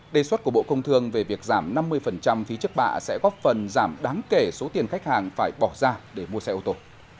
đề xuất của bộ công thương về việc giảm năm mươi phí trước bạ sẽ góp phần giảm đáng kể số tiền khách hàng phải bỏ ra để mua xe ô tô